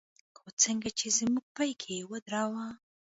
خو څنگه چې زموږ پېکپ يې ودراوه.